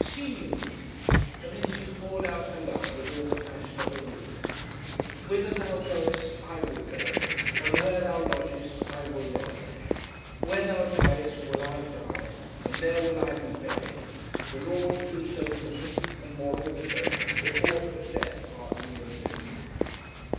'See you!' and then she poured out her love with all the passion of a Ruth: '"Whither thou goest, I will go; and where thou lodgest, I will lodge.... Where thou diest, will I die, and there will I be buried; the Lord do so to me, and more also, if aught but death part thee and me."